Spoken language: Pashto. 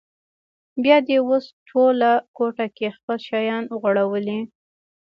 بیا دې اوس ټوله کوټه کې خپل شیان غوړولي.